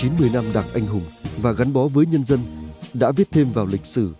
chín mươi năm đảng anh hùng và gắn bó với nhân dân đã viết thêm vào lịch sử